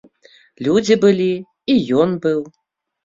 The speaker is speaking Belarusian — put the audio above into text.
Людзі былі, і ён быў.